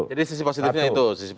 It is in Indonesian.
jadi sisi positifnya itu